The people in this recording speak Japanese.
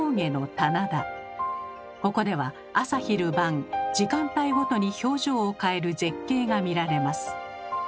ここでは朝昼晩時間帯ごとに表情を変える絶景が見られます。